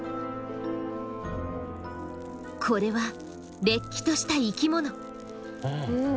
これはれっきとした生きもの。